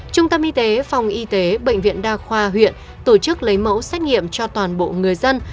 trung tâm y tế phòng y tế bệnh viện đa khoa huyện tổ chức lấy mẫu xét nghiệm cho toàn bộ người dân